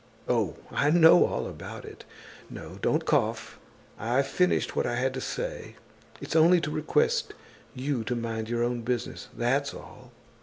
Oh! I know all about it. No, don't cough. I've finished what I had to say. It's only to request you to mind your own business, that's all!"